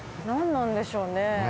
何なんでしょうね。